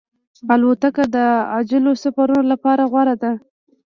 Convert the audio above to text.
الوتکه د عاجلو سفرونو لپاره غوره ده.